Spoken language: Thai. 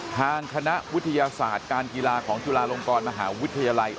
ทางคณะวิทยาศาสตร์การกีฬาของจุฬาลงกรมหาวิทยาลัย